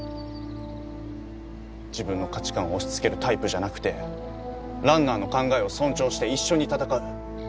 自分の価値観を押しつけるタイプじゃなくて、ランナーの考えを尊重して一緒に戦う。